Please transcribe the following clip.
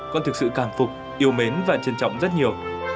con thực sự cảm phục yêu mến và trân trọng rất nhiều